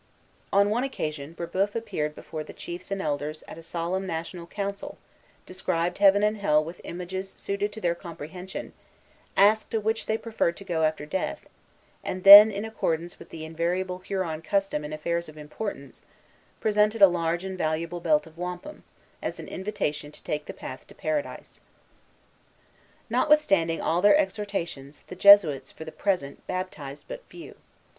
On one occasion, Brébeuf appeared before the chiefs and elders at a solemn national council, described Heaven and Hell with images suited to their comprehension, asked to which they preferred to go after death, and then, in accordance with the invariable Huron custom in affairs of importance, presented a large and valuable belt of wampum, as an invitation to take the path to Paradise. Brébeuf, Relation des Hurons, 1636, 81. For the use of wampum belts, see Introduction. Notwithstanding all their exhortations, the Jesuits, for the present, baptized but few.